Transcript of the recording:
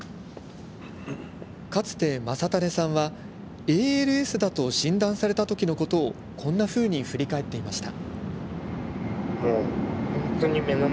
かつて将胤さんはＡＬＳだと診断された時のことをこんなふうに振り返っていました。